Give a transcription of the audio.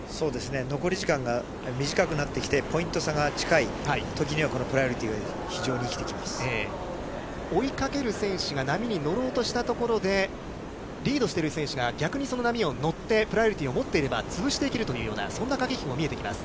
残り時間が短くなってきて、ポイント差が近いときには、このプライオリティーが非常に生追いかける選手が波に乗ろうとしたところで、リードしている選手が逆にその波に乗って、プライオリティーを持っていれば、潰していけるというような、そんな駆け引きも見えてきます。